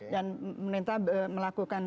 dan pemerintah melakukan